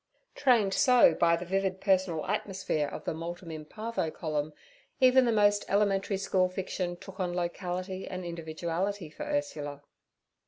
Trained so by the vivid personal atmosphere of the 'Multum in—parvo' column, even the most elementary school fiction took on locality and individuality for Ursula.